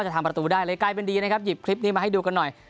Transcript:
ทำประตูได้เลยกลายเป็นดีนะครับหยิบคลิปนี้มาให้ดูกันหน่อย